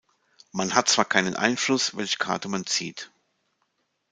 Man hat zwar keinen Einfluss, welche Karte man zieht.